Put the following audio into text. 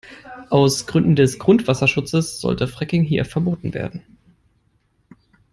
Aus Gründen des Grundwasserschutzes sollte Fracking hier verboten werden.